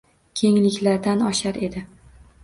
Kengliklardan oshar edi